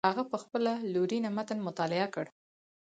هغه په خپله لورینه متن مطالعه کړ.